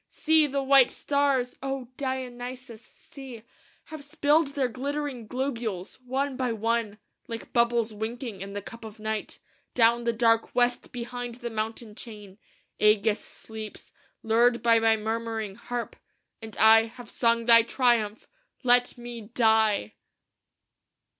See, the white stars, O Dionysos! see, Have spilled their glittering globules, one by one, Like bubbles winking in the cup of night, Down the dark west behind the mountain chain. Ægeus sleeps, lulled by my murmuring harp; And I have sung thy triumph. Let me die!"